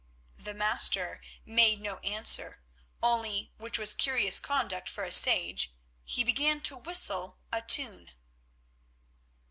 The Master made no answer, only, which was curious conduct for a sage, he began to whistle a tune.